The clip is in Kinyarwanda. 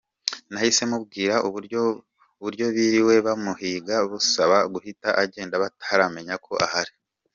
Nahise mubwira uburyo biriwe bamuhiga musaba guhita agenda bataramenya ko ahari.